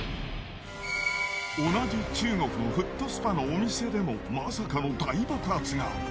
同じ中国のフットスパのお店でもまさかの大爆発が。